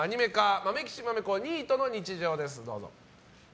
「まめきちまめこニートの日常」です。